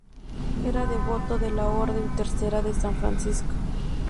Era devoto de la Orden Tercera de San Francisco.